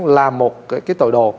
là một cái tội đồ